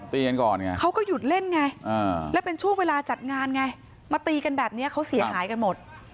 ก่อนไงเขาก็หยุดเล่นไงแล้วเป็นช่วงเวลาจัดงานไงมาตีกันแบบนี้เขาเสียหายกันหมด